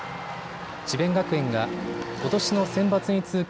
智弁学園がことしのセンバツに続く